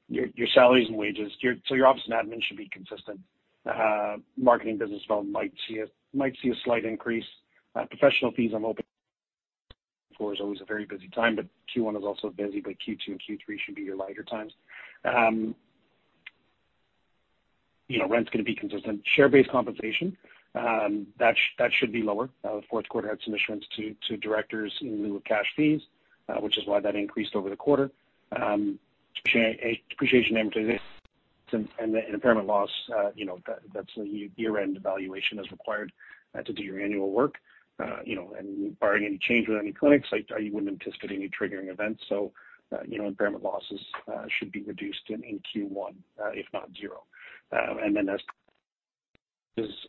your salaries and wages. Your office and admin should be consistent. Marketing and business development might see a slight increase. Professional fees year-end is always a very busy time, but Q1 is also busy, but Q2 and Q3 should be your lighter times. You know, rent's gonna be consistent. Share-based compensation, that should be lower. The Q4 had some issuance to directors in lieu of cash fees, which is why that increased over the quarter. Depreciation and impairment loss, you know, that's the year-end valuation as required to do your annual work. You know, barring any change with any clinics, I wouldn't anticipate any triggering events. You know, impairment losses should be reduced in Q1, if not zero.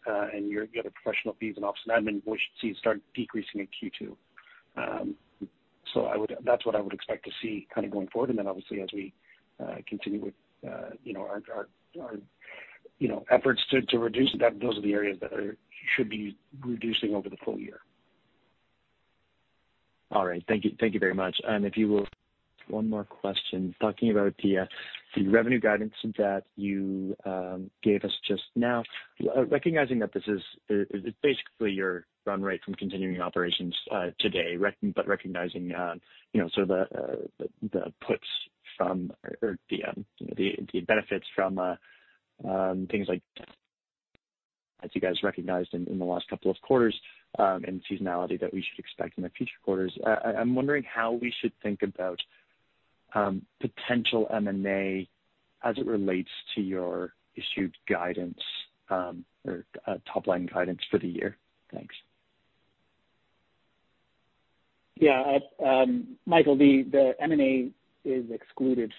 As your other professional fees and office and admin, we should see it start decreasing in Q2. That's what I would expect to see kind of going forward. Obviously as we continue with, you know, our efforts to reduce that, those are the areas that should be reducing over the full year. All right. Thank you. Thank you very much. If you will, one more question. Talking about the revenue guidance that you gave us just now, recognizing that this is basically your run rate from continuing operations today, but recognizing, you know, so the puts from or the, you know, the benefits from things like as you guys recognized in the last couple of quarters, and seasonality that we should expect in the future quarters. I'm wondering how we should think about potential M&A as it relates to your issued guidance, or top line guidance for the year. Thanks. Yeah, Michael, the M&A is excluded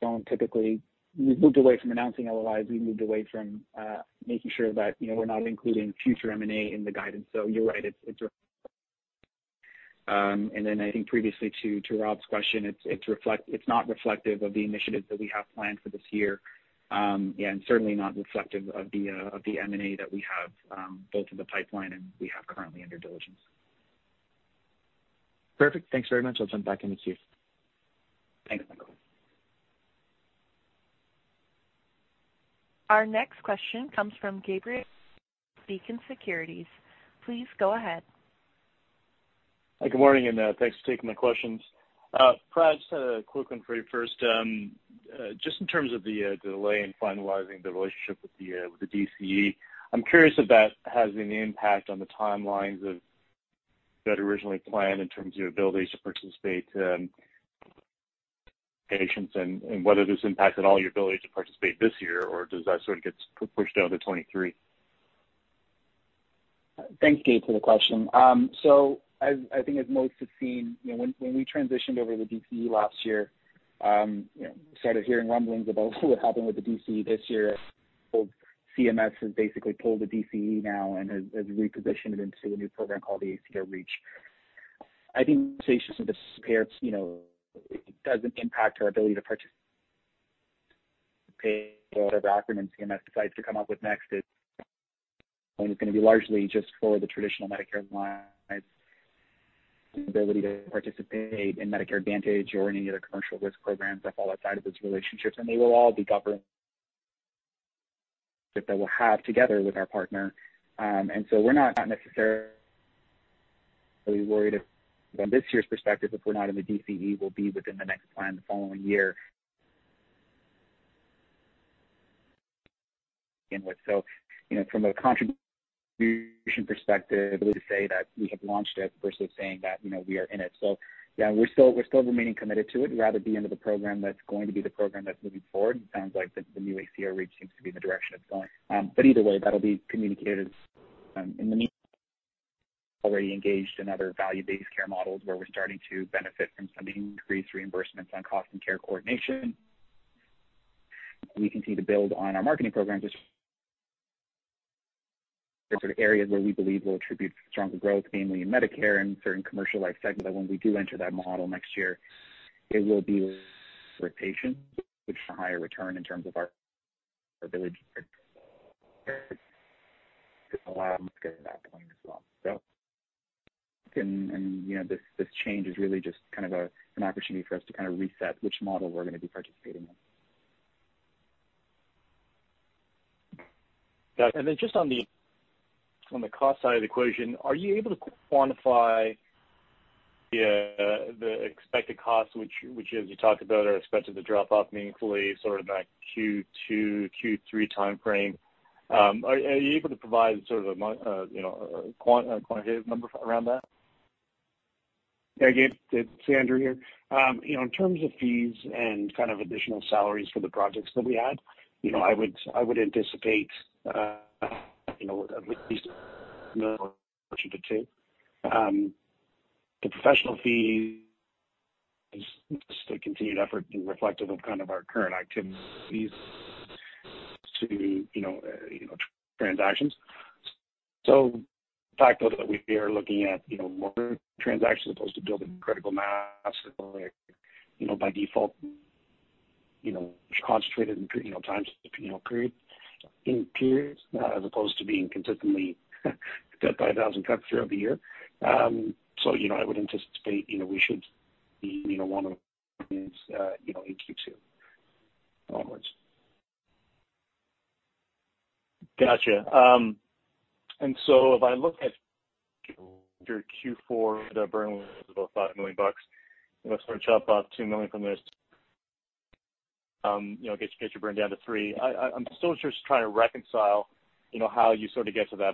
from typically. We've moved away from announcing LOIs. We've moved away from making sure that, you know, we're not including future M&A in the guidance. You're right, and then I think previously to Rob's question, it's not reflective of the initiatives that we have planned for this year, and certainly not reflective of the M&A that we have both in the pipeline and we have currently under diligence. Perfect. Thanks very much. I'll jump back in the queue. Thanks, Michael. Our next question comes from Gabriel, Beacon Securities. Please go ahead. Hi, good morning, and thanks for taking my questions. Prad, just a quick one for you first. Just in terms of the delay in finalizing the relationship with the DCE, I'm curious if that has any impact on the timelines that originally planned in terms of your ability to participate patients and whether this impacted at all your ability to participate this year or does that sort of get pushed down to 2023? Thanks, Gabe, for the question. So as I think as most have seen, you know, when we transitioned over to the DCE last year, you know, started hearing rumblings about what happened with the DCE this year. CMS has basically pulled the DCE now and has repositioned it into a new program called the ACO Reach. I think, with the, you know, it doesn't impact our ability to participate whatever acronym CMS decides to come up with next is going to be largely just for the traditional Medicare line's ability to participate in Medicare Advantage or any other commercial risk programs that fall outside of those relationships. They will all be governed that we'll have together with our partner. We're not necessarily worried if from this year's perspective, if we're not in the DCE, we'll be within the next plan the following year. You know, from a contribution perspective, say that we have launched it versus saying that, you know, we are in it. Yeah, we're still remaining committed to it rather be into the program that's going to be the program that's moving forward. It sounds like the new ACO Reach seems to be the direction it's going. Either way that'll be communicated, and in the meantime we're already engaged in other value-based care models where we're starting to benefit from some increased reimbursements on costs and care coordination. We continue to build on our marketing programs as areas where we believe will attribute stronger growth, namely in Medicare and certain commercialized segments that when we do enter that model next year, it will be patient, which is a higher return in terms of our ability as well. You know, this change is really just kind of an opportunity for us to kind of reset which model we're gonna be participating in. Got it. Just on the cost side of the equation, are you able to quantify the expected costs which as you talked about are expected to drop off meaningfully sort of in that Q2, Q3 timeframe? Are you able to provide sort of you know, a quant, a quantitative number around that? Yeah, Gabe, it's Andrew here. You know, in terms of fees and kind of additional salaries for the projects that we had, you know, I would anticipate at least CAD 1 million or 2 million. The professional fee is just a continued effort and reflective of kind of our current activities to transactions. The fact that we are looking at more transactions as opposed to building critical mass, you know, by default concentrated in time periods as opposed to being consistently cut by a thousand cuts throughout the year. You know, I would anticipate we should see one of these in Q2 onwards. Gotcha. If I look at your Q4, the burn was about $5 million. You know, sort of chop off $2 million from this, you know, get your burn down to three. I'm still just trying to reconcile, you know, how you sort of get to the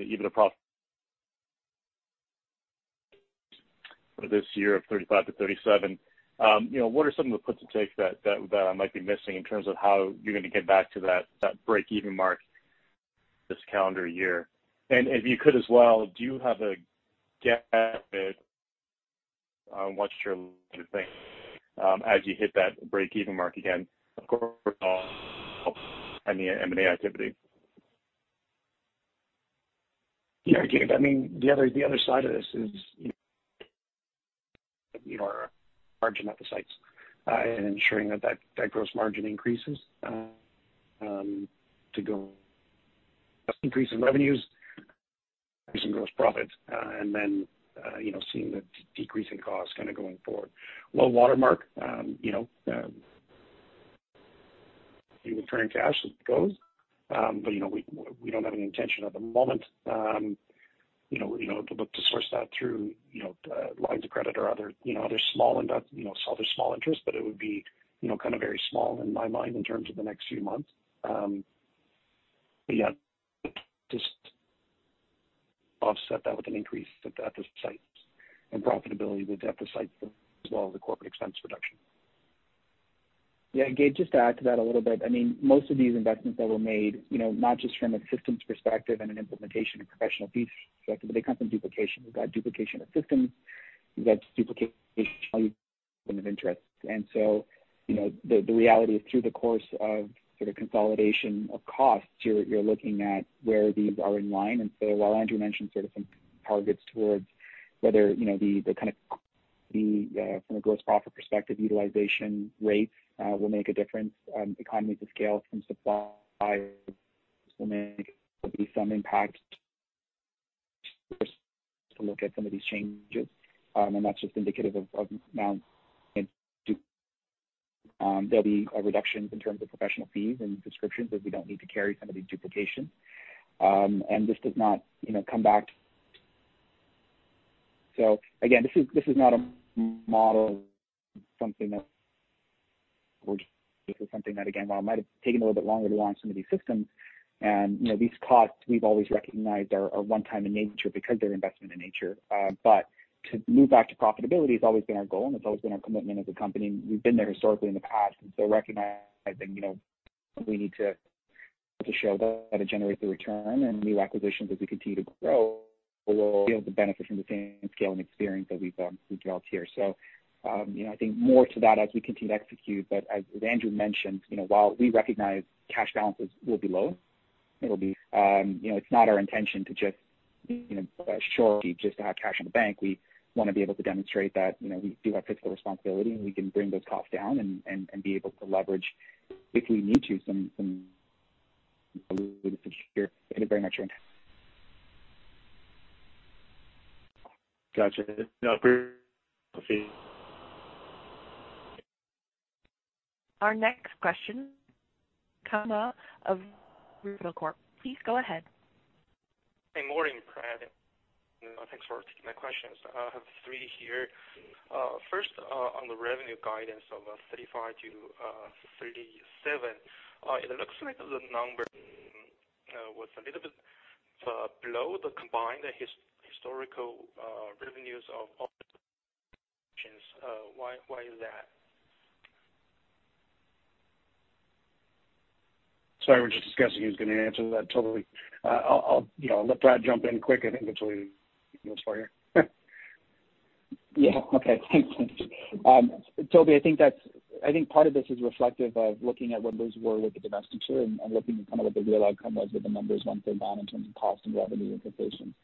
EBITDA for this year of 35-37. You know, what are some of the puts and takes that I might be missing in terms of how you're gonna get back to that break-even mark this calendar year? If you could as well, do you have a gauge on what's your thinking as you hit that break-even mark again, of course, any M&A activity. Yeah, Gabe, I mean, the other side of this is, you know, our margin at the sites, and ensuring that gross margin increases to go increase in revenues, increase in gross profit, and then, you know, seeing the decrease in cost kinda going forward. Low watermark, you know, returning cash as it goes. But you know, we don't have any intention at the moment, you know, to look to source that through, you know, lines of credit or other, you know, other small interest, but it would be, you know, kind of very small in my mind in terms of the next few months. Yeah, just offset that with an increase at the sites and profitability at the sites as well, the corporate expense reduction. Yeah. Gabe, just to add to that a little bit, I mean, most of these investments that were made, you know, not just from a systems perspective and an implementation and professional fees perspective, but they come from duplication. We've got duplication of systems. We've got duplication of interest. And so, you know, the reality is through the course of sort of consolidation of costs, you're looking at where these are in line. And so while Andrew mentioned sort of some targets towards whether, you know, the kind of the from a gross profit perspective, utilization rates will make a difference. Economies of scale from suppliers will make some impact to look at some of these changes. That's just indicative of now there'll be a reduction in terms of professional fees and prescriptions as we don't need to carry some of these duplications. This does not, you know, come back. Again, this is not a model something that we're. This is something that, again, while it might have taken a little bit longer to launch some of these systems and, you know, these costs we've always recognized are one time in nature because they're investment in nature. To move back to profitability has always been our goal, and it's always been our commitment as a company. We've been there historically in the past, and so recognizing, you know, we need to show that it generates the return and new acquisitions as we continue to grow will be able to benefit from the same scale and experience that we've developed here. You know, I think more to that as we continue to execute. As Andrew mentioned, you know, while we recognize cash balances will be low, it'll be, you know, it's not our intention to just, you know, solely to have cash in the bank. We wanna be able to demonstrate that, you know, we do have fiscal responsibility and we can bring those costs down and be able to leverage if we need to some security here in a very mature. Gotcha. Our next question, Toby Ma of Research Capital Corp. Please go ahead. Hey, morning, Prad. Thanks for taking my questions. I have three here. First, on the revenue guidance of 35-37. It looks like the number was a little bit below the combined historical revenues of why is that? Sorry, we're just discussing who's gonna answer that, Toby. I'll, you know, let Prad jump in quick. I think that's what he looks for here. Okay. Toby, I think part of this is reflective of looking at what those were with the domestic share and looking at kind of what the real outcome was with the numbers once they're done in terms of cost and revenue implications.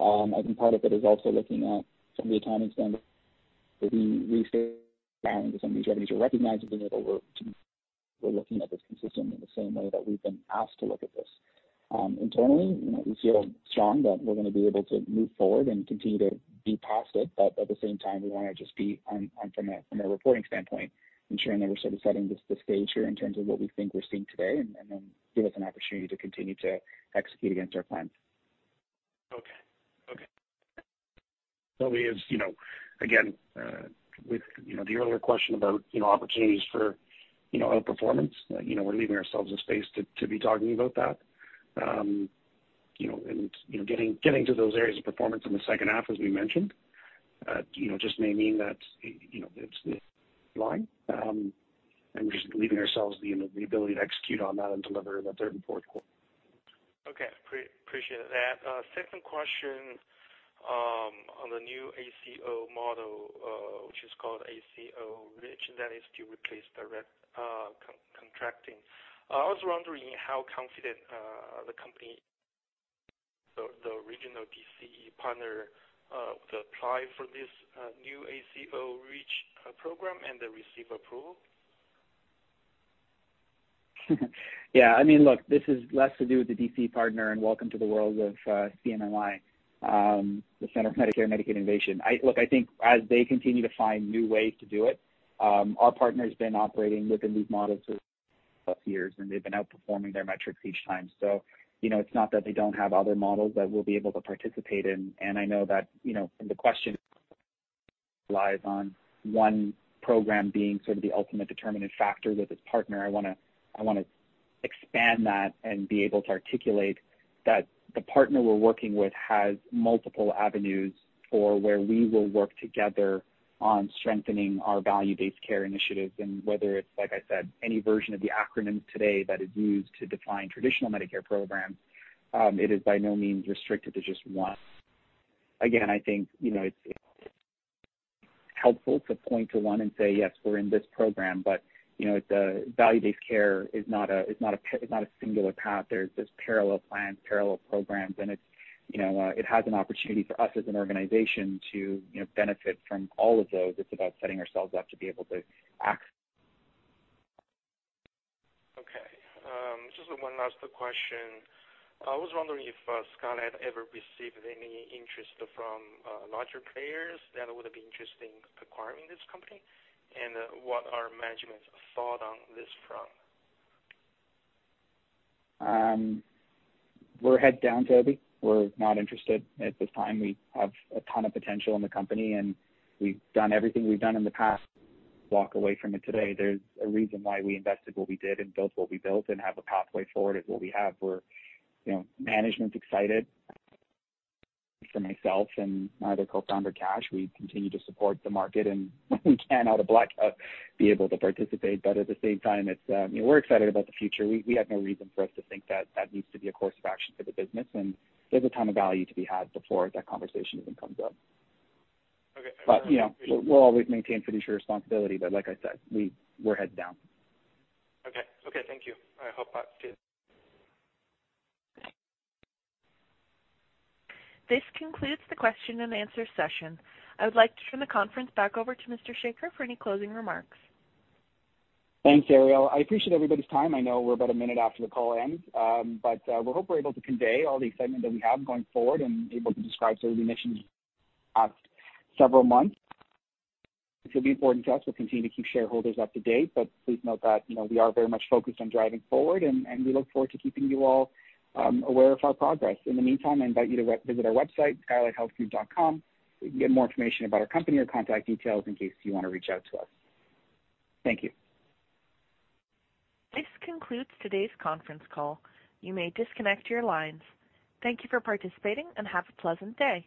I think part of it is also looking at some of the accounting standards that we use, some of these revenues are recognized, and we're looking at this consistently in the same way that we've been asked to look at this. Internally, you know, we feel strongly that we're gonna be able to move forward and continue to get past it. At the same time, we wanna just be on from a reporting standpoint, ensuring that we're sort of setting the stage here in terms of what we think we're seeing today and then give us an opportunity to continue to execute against our plans. Okay. Okay. Toby is, you know, again, with, you know, the earlier question about, you know, opportunities for, you know, outperformance, you know, we're leaving ourselves a space to be talking about that. You know, getting to those areas of performance in the second half, as we mentioned, you know, just may mean that, you know, it's the line, and we're just leaving ourselves the, you know, the ability to execute on that and deliver in the third and Q4. Okay. Appreciate that. Second question, on the new ACO model, which is called ACO Reach, and that is to replace direct contracting. I was wondering how confident the company is that the regional DCE partner would apply for this new ACO Reach program and then receive approval. Yeah. I mean, look, this is less to do with the DCE partner and welcome to the world of CMMI, the Center for Medicare and Medicaid Innovation. Look, I think as they continue to find new ways to do it, our partner's been operating within these models for five-plus years and they've been outperforming their metrics each time. You know, it's not that they don't have other models that we'll be able to participate in. I know that, you know, the question lies on one program being sort of the ultimate determining factor with this partner. I wanna expand that and be able to articulate that the partner we're working with has multiple avenues for where we will work together on strengthening our value-based care initiatives. Whether it's, like I said, any version of the acronym today that is used to define traditional Medicare programs, it is by no means restricted to just one. Again, I think, you know, it's helpful to point to one and say, yes, we're in this program. You know, the value-based care is not a singular path. There's parallel plans, parallel programs, and it's, you know, it has an opportunity for us as an organization to, you know, benefit from all of those. It's about setting ourselves up to be able to act. Okay. Just one last question. I was wondering if Skylight had ever received any interest from larger players that would have been interested in acquiring this company, and what are management's thoughts on this front? We're heads down, [Toby]. We're not interested at this time. We have a ton of potential in the company, and we've done everything we've done in the past. Walk away from it today. There's a reason why we invested what we did and built what we built and have a pathway forward is what we have. We're, you know, management's excited for myself and my other co-founder, Kash. We continue to support the market and we can out of the black be able to participate. But at the same time, it's, you know, we're excited about the future. We have no reason for us to think that that needs to be a course of action for the business, and there's a ton of value to be had before that conversation even comes up. Okay. you know, we'll always maintain fiduciary responsibility. Like I said, we're heads down. Okay, thank you. I hope that This concludes the question and answer session. I would like to turn the conference back over to Mr. Sekar for any closing remarks. Thanks, Ariel. I appreciate everybody's time. I know we're about a minute after the call ends, but we hope we're able to convey all the excitement that we have going forward and able to describe some of the missions past several months, which will be important to us. We'll continue to keep shareholders up to date, but please note that, you know, we are very much focused on driving forward and we look forward to keeping you all aware of our progress. In the meantime, I invite you to visit our website, skylighthealthgroup.com, where you can get more information about our company or contact details in case you wanna reach out to us. Thank you. This concludes today's conference call. You may disconnect your lines. Thank you for participating and have a pleasant day.